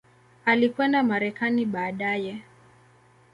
Alikwenda Marekani baadaye.